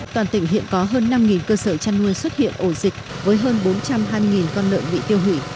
toàn tỉnh hiện có hơn năm cơ sở chăn nuôi xuất hiện ổ dịch với hơn bốn trăm hai mươi con lợn bị tiêu hủy